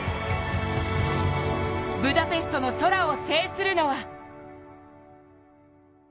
ブダペストの空を制するのは？